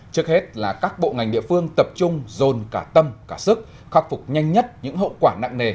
trước hết là các bộ ngành địa phương tập trung dồn cả tâm cả sức khắc phục nhanh nhất những hậu quả nặng nề